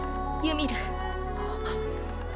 ユミル。